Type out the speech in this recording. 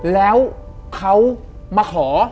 แล้วเขามาขอ